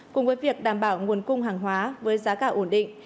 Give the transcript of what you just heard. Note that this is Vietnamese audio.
cùng với việc đảm bảo nguồn cung hàng hóa với giá cả ổn định